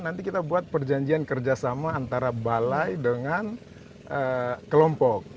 nanti kita buat perjanjian kerjasama antara balai dengan kelompok